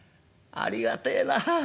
ありがてえなあ。